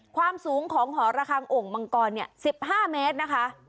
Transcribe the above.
ความสูงของหอระคังโอ่งมังกร๑๕เมตรนะคะ